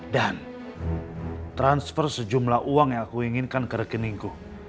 dan transfer sejumlah uang yang aku inginkan ke rekeningku